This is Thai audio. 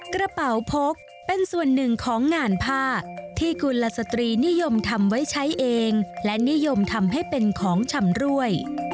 กระเป๋าพกเป็นส่วนหนึ่งของงานผ้าที่กุลสตรีนิยมทำไว้ใช้เองและนิยมทำให้เป็นของชำรวย